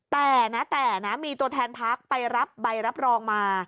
แต่นะแต่นะมีตัวแทนพักไปรับใบรับรองมา